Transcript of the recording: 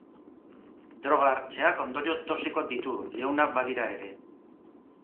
Droga hartzeak ondorio toxikoak ditu, leunak badira ere.